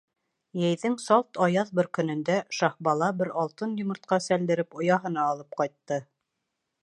Йәйҙең салт аяҙ бер көнөндә Шаһбала, бер алтын йомортҡа сәлдереп, ояһына алып ҡайтты.